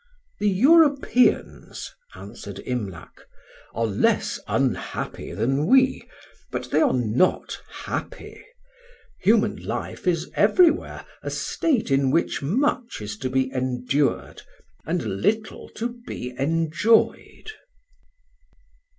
"The Europeans," answered Imlac, "are less unhappy than we, but they are not happy. Human life is everywhere a state in which much is to be endured and little to be enjoyed."